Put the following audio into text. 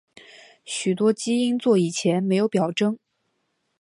许多基因座以前没有表征。